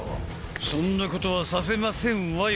そんなことはさせませんわよ